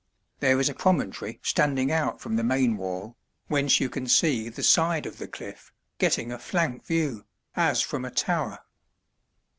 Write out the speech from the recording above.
There is a promontory standing out from the main wall, whence you can see the side of the cliff, getting a flank view, as from a tower.